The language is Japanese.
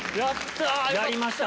やった！